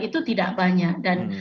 itu tidak banyak dan